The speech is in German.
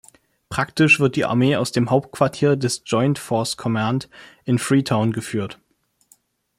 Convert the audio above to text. Praktisch wird die Armee aus dem "Hauptquartier des Joint Force Command" in Freetown geführt.